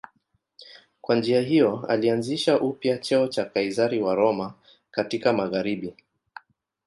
Kwa njia hiyo alianzisha upya cheo cha Kaizari wa Roma katika magharibi.